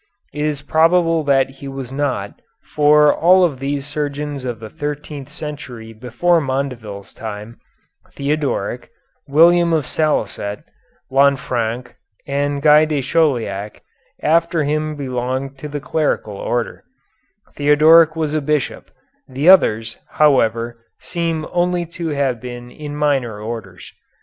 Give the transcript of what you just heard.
It is probable that he was not, for all of these surgeons of the thirteenth century before Mondeville's time, Theodoric, William of Salicet, Lanfranc, and Guy de Chauliac, after him belonged to the clerical order; Theodoric was a bishop; the others, however, seem only to have been in minor orders.